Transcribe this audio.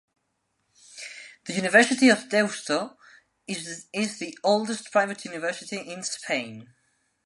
The University of Deusto is the oldest private university in Spain.